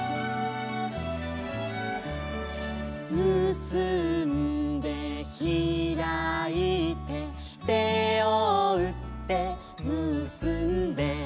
「むすんでひらいて」「手をうってむすんで」